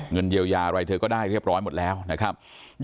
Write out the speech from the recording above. เงินเยียวยาอะไรเธอก็ได้เรียบร้อยหมดแล้วนะครับ